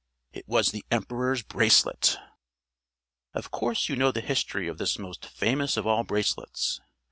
It was the Emperor's Bracelet! Of course you know the history of this most famous of all bracelets.